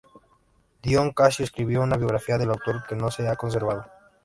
Dion Casio escribió una biografía del autor que no se ha conservado.